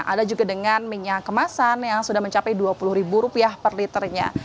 ada juga dengan minyak kemasan yang sudah mencapai rp dua puluh ribu rupiah per liternya